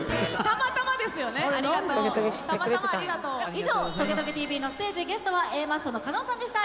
以上『トゲトゲＴＶ』のステージゲストはＡマッソの加納さんでした。